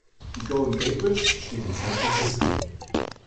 Die Golden Gate Bridge steht in San Francisco.